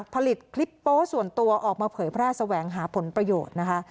ผลิตคลิปโป๊ส่วนตัวออกมาเผยแพร่แสวงหาผลประโยชน์นะคะ